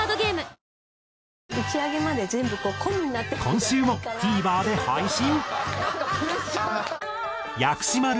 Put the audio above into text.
今週もＴＶｅｒで配信。